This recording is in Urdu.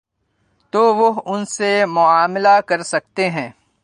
تو وہ ان سے معاملہ کر سکتے ہیں۔